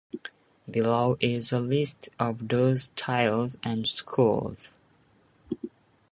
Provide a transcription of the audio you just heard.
Below is a list of those styles and schools.